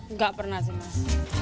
enggak pernah mas